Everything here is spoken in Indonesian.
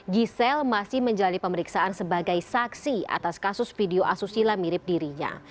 giselle masih menjalani pemeriksaan sebagai saksi atas kasus video asusila mirip dirinya